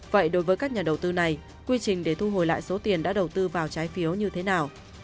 vậy đối với các nhà đầu tư này quy trình để thu hồi lại số tiền đã đầu tư vào trái phiếu như thế nào